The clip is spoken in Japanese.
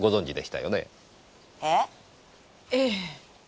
えっ？ええ。